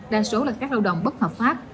đa số là các lao động bất hợp pháp